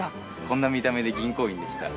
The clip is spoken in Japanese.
こんな見た目で銀行員でした。